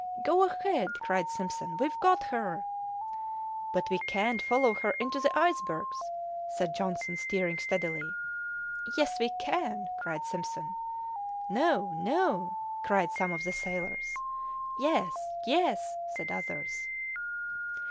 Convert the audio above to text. "Go ahead," cried Simpson; "we've got her!" "But we can't follow her into the icebergs!" said Johnson, steering steadily. "Yes we can!" cried Simpson. "No, no!" cried some of the sailors. "Yes, yes!" said others.